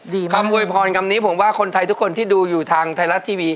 ภูมิพรคำนี้ผมว่าคนไทยทุกคนที่ดูอยู่ทางไทยรั๑๕๐